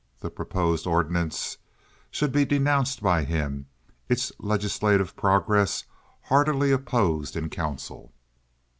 The proposed ordinance should be denounced by him; its legislative progress heartily opposed in council.